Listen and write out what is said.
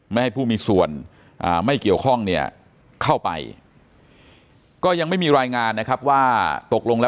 ไม่ให้ผู้มีส่วนไม่เกี่ยวข้องเนี่ยเข้าไปก็ยังไม่มีรายงานนะครับว่าตกลงแล้ว